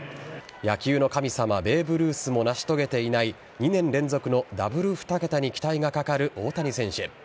野球の神様、ベーブ・ルースも成し遂げていない２年連続のダブル２桁に期待がかかる大谷選手。